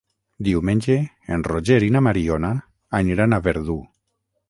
Diumenge en Roger i na Mariona aniran a Verdú.